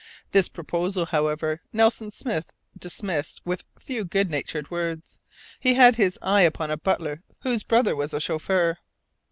This proposal, however, Nelson Smith dismissed with a few good natured words. He had his eye upon a butler whose brother was a chauffeur.